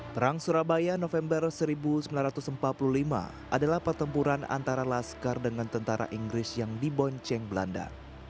perang surabaya november seribu sembilan ratus empat puluh lima adalah pertempuran antara laskar dengan tentara inggris yang dibonceng belanda